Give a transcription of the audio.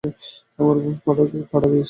আমার উপর পাড়া দিয়েছ!